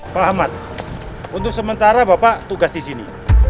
pak ahmad untuk sementara bapak tugas di sini